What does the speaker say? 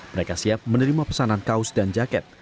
mereka siap menerima pesanan kaos dan jaket